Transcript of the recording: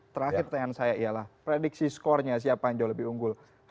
terakhir pertanyaan saya ialah prediksi skornya siapa yang jauh lebih unggul